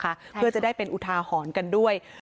ก็คือจะได้เป็นอุทาหอนกันด้วย